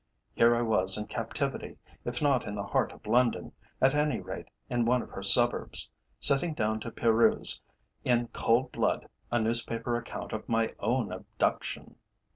Here I was in captivity if not in the heart of London, at any rate in one of her Suburbs sitting down to peruse, in cold blood, a newspaper account of my own abduction.